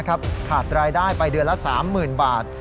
ขาดรายได้ไปเดือนละ๓๐๐๐บาท